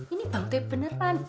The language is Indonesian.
ini bang toib beneran